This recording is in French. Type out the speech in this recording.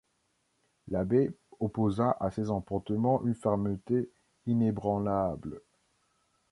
L’abbé opposa à ses emportements une fermeté inébranlable.